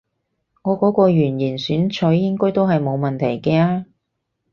我嗰個圓形選取應該都係冇問題嘅啊